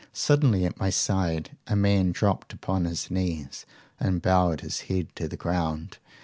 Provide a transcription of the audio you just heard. Suddenly, at my side, a man dropped upon his knees, and bowed his head to the ground.